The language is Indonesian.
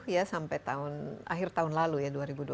ya sampai akhir tahun lalu ya dua ribu dua puluh